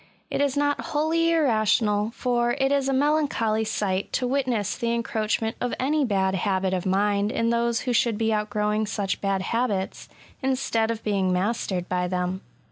It is not wholly irra tional ; for it is a melancholy sight to witness the encroachment of any bad habit of mind in those who should be outgrowing such bad habits, instead of being mastered by them.